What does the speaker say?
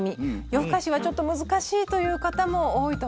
夜更かしはちょっと難しいという方も多いと思います。